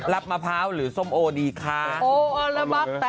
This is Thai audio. รับมะพร้าวหรือส้มโอรริะครับ